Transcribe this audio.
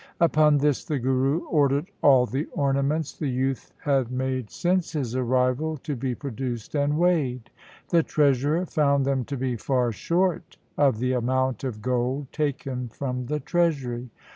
Upon this the Guru ordered all the ornaments the youth had made since his arrival to be produced and weighed. The treasurer found them to be far short of the amount of gold taken from the treasury.